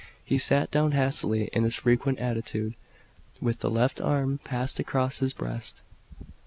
He sat down hastily, in his frequent attitude, with the left arm passed across his breast.